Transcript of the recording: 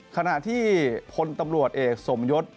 ขณะที่พลตำรวจเอกสมยศ